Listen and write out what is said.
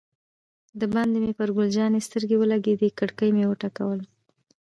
دباندې مې پر ګل جانې سترګې ولګېدې، کړکۍ مې و ټکول.